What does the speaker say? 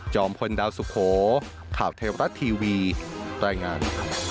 พลดาวสุโขข่าวเทวรัฐทีวีรายงาน